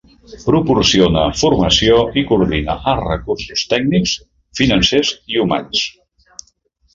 Proporciona formació i coordina els recursos tècnics, financers i humans.